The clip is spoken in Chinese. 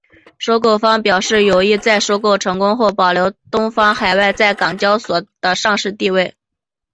收购方表示有意在收购成功后保留东方海外在港交所的上市地位。